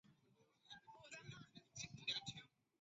至于德国兄弟会也会听到这首歌曲。